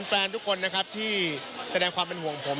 แฟนทุกคนนะครับที่แสดงความเป็นห่วงผม